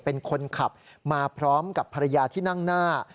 เป็นคนขับมาพร้อมกับภรรยาที่นั่งหน้า